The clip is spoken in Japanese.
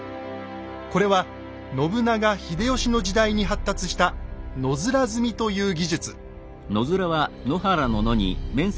これは信長・秀吉の時代に発達した「野面積み」という技術。